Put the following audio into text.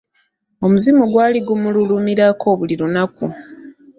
Omuzimu gwali gumululumirako buli lunaku.